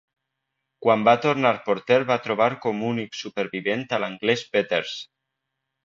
Quan va tornar Porter va trobar com únic supervivent a l'anglès Peters.